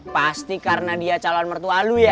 pasti karena dia calon mertua lu ya